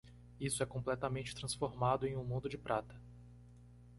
Isso é completamente transformado em um mundo de prata.